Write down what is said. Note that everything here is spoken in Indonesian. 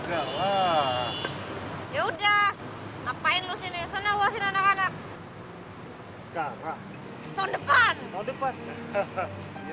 kalau perlu lo berdua gue suruh ngemis